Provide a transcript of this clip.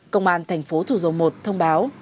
công an thành phố thủ dầu một thông báo